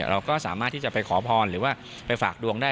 เราก็สามารถที่จะไปขอพรหรือว่าไปฝากดวงได้